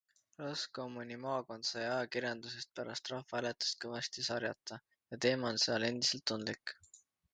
Roscommoni maakond sai ajakirjanduses pärast rahvahääletust kõvasti sarjata ja teema on seal endiselt tundlik.